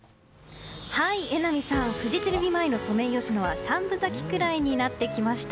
榎並さん、フジテレビ前のソメイヨシノは三分咲きくらいになってきました。